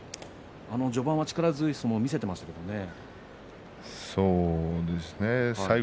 序盤は力強い相撲を見せていましたがね。